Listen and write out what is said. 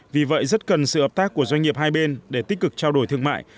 vì vậy rất cần sự hợp tác của doanh nghiệp hai bên để tích cực trao đổi thương mại